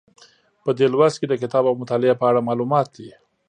په دې لوست کې د کتاب او مطالعې په اړه معلومات دي.